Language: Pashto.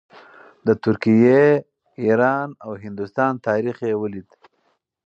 د ترکیې، ایران او هندوستان تاریخ یې ولید.